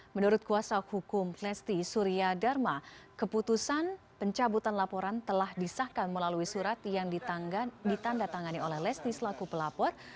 menurut kuasa hukum lesti surya dharma keputusan pencabutan laporan telah disahkan melalui surat yang ditanda tangani oleh lesti selaku pelapor